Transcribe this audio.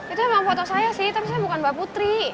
itu emang foto saya sih tapi saya bukan mbak putri